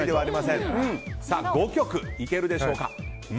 ５曲いけるでしょうか。